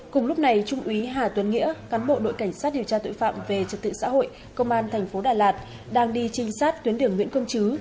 cùng lúc này trung úy hà tuấn nghĩa cán bộ đội cảnh sát điều tra tội phạm về trật tự xã hội công an thành phố đà lạt đang đi trinh sát tuyến đường nguyễn công chứ